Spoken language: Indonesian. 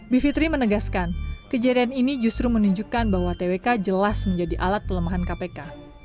bivitri menegaskan kejadian ini justru menunjukkan bahwa twk jelas menjadi alat pelemahan kpk